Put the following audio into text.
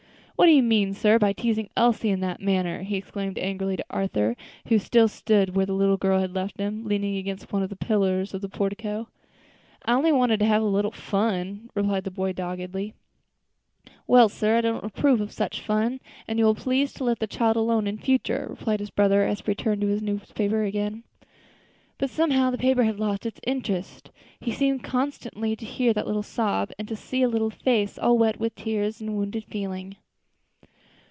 "What do you mean, sir, by teasing Elsie in that manner?" he exclaimed angrily to Arthur, who still stood where the little girl had left him, leaning against one of the pillars of the portico. "I only wanted to have a little fun," returned the boy doggedly. "Well, sir, I don't approve of such fun, and you will please to let the child alone in future," replied his brother as he returned to his newspaper again. But somehow the paper had lost its interest. He seemed constantly to hear that little sob, and to see a little face all wet with tears of wounded feeling.